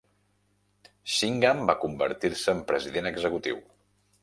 Singham va convertir-se en president executiu.